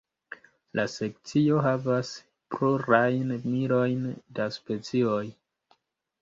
La sekcio havas plurajn milojn da specioj.